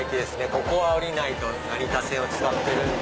ここは降りないと成田線を使ってるんで。